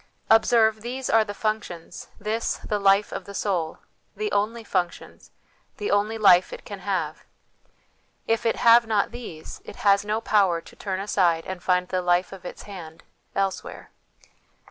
Observe, these are the func tions, this, the life of the soul, the only functions, the only life it can have : if it have not these, it has no power to turn aside and find the "life of its hand" elsewhere.